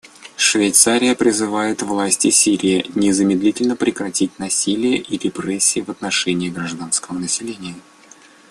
Швейцария призывает власти Сирии незамедлительно прекратить насилие и репрессии в отношении гражданского населения.